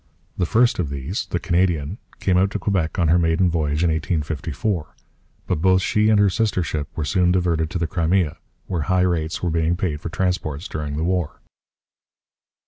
The first of these, the Canadian, came out to Quebec on her maiden voyage in 1854; but both she and her sister ship were soon diverted to the Crimea, where high rates were being paid for transports during the war.